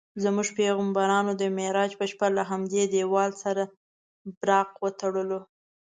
زموږ پیغمبر د معراج په شپه له همدې دیوال سره براق وتړلو.